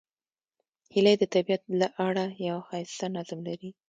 هیلۍ د طبیعت له اړخه یو ښایسته نظم لري